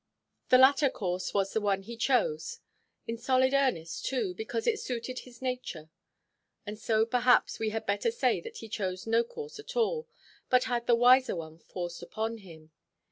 The latter course was the one he chose; in solid earnest, too, because it suited his nature. And so perhaps we had better say that he chose no course at all, but had the wiser one forced upon him.